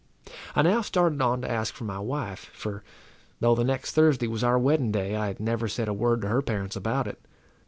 I now started on to ask for my wife; for, though the next Thursday was our wedding day, I had never said a word to her parents about it.